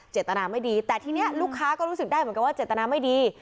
เจตนาไม่ดีแต่ทีนี้ลูกค้าก็รู้สึกได้เหมือนกันว่าเจตนาไม่ดี